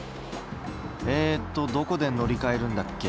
えっとどこで乗り換えるんだっけ。